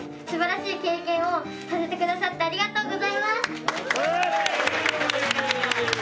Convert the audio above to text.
すばらしい経験をさせてくださって、ありがとうございます。